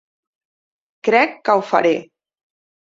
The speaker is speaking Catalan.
Crec que ho faré.